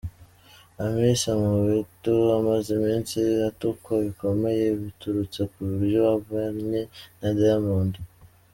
Hamisa Mobeto amaze iminsi atukwa bikomeye biturutse ku buryo abanye na Diamond.